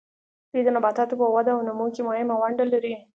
دوی د نباتاتو په وده او نمو کې مهمه ونډه لري.